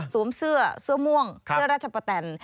เสื้อเสื้อม่วงเสื้อราชปะแตน